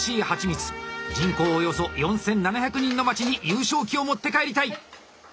人口およそ４，７００人の町に優勝旗を持って帰りたい。